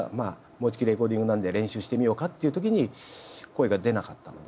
もうじきレコーディングなんで練習してみようかっていうときに声が出なかったので。